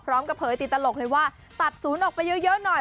เผยติดตลกเลยว่าตัดศูนย์ออกไปเยอะหน่อย